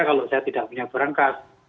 karena kalau saya tidak punya berangkat